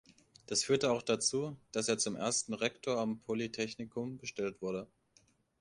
Das führte auch dazu, dass er zum ersten Rektor am Polytechnikum bestellt wurde.